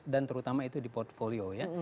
dan terutama itu di portfolio ya